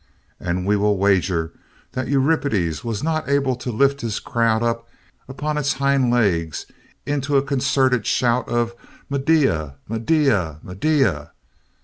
And we will wager that Euripides was not able to lift his crowd up upon its hind legs into a concerted shout of "Medea! Medea! Medea!"